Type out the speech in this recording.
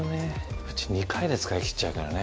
うち２回で使い切っちゃうからね